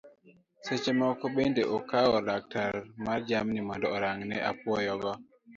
Seche moko bende okawo laktar mar jamni mondo orang'ne apuoyo go